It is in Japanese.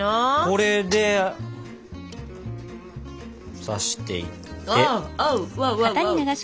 これで刺していって。